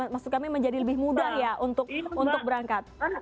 maksud kami menjadi lebih mudah ya untuk berangkat